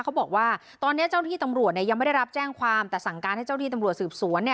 เขาบอกว่าตอนนี้เจ้าที่ตำรวจยังไม่ได้รับแจ้งความแต่สั่งการให้เจ้าที่ตำรวจสืบสวนเนี่ย